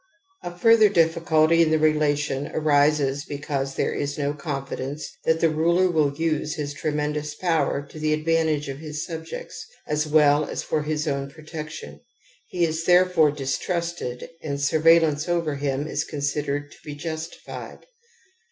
A further diffi culty in the relation arises because there is no confidence that the ruler will use his tremendous power to the advantage of his subjects as well as for his own protection ; hte is therefore dis trusted and surveillance over him is considered to be justified.